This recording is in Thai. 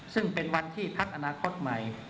ซึ่งเป็นวันที่พักอนาคตใหม่